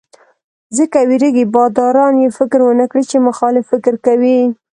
ځکه وېرېږي باداران یې فکر ونکړي چې مخالف فکر کوي.